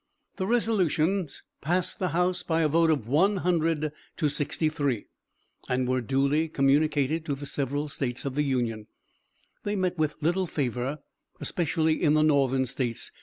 The resolutions passed the House by a vote of 100 to 63, and were duly communicated to the several States of the Union. They met with little favor, especially in the Northern States.